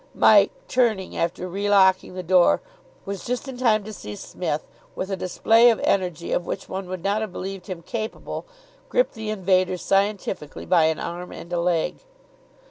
Mike, turning after re locking the door, was just in time to see Psmith, with a display of energy of which one would not have believed him capable, grip the invader scientifically by an arm and a leg.